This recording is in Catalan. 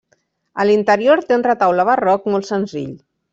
A l'interior té un retaule barroc molt senzill.